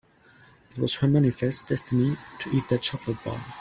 It was her manifest destiny to eat that chocolate bar.